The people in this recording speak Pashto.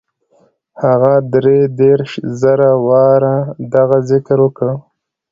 هغه دري دېرش زره واره دغه ذکر وکړ.